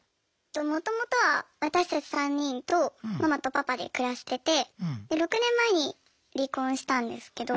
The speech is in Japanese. もともとは私たち３人とママとパパで暮らしててで６年前に離婚したんですけど。